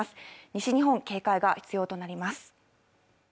西日本、警戒が必要となります。